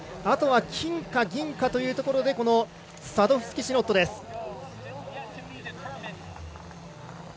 あとは金か銀かというところでサドフスキシノットです。